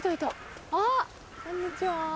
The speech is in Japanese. あっこんにちは。